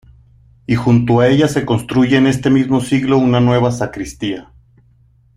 Y junto a ella se construye en este mismo siglo una nueva sacristía.